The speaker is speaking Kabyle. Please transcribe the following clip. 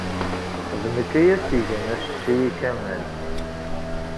D nekk ay as-igan acecci i Kamal.